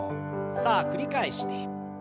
さあ繰り返して。